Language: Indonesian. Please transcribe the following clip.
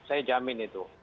saya jamin itu